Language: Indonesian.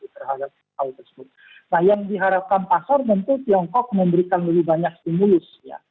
terhadap hal tersebut nah yang diharapkan pasar tentu tiongkok memberikan lebih banyak stimulus